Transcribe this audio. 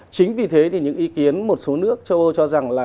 chính vì thế thì những ý kiến một số nước cho rằng là